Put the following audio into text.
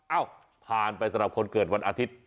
เอ้าผ่านไปสำหรับคนเกิดวันอาทิตย์